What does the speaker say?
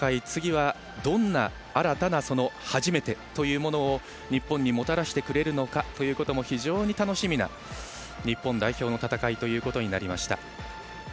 次はどんな新たな初めてというものを日本にもたらしてくれるかも非常に楽しみな日本代表の戦いとなりました。